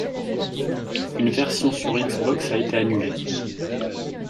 Une version sur Xbox a été annulée.